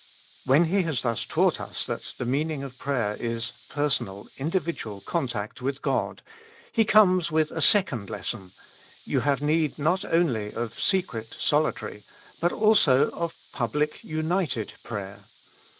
When He has thus taught us that the meaning of prayer is personal individual contact with God, He comes with a second lesson : You have need not only of secret solitary, but also of public united prayer.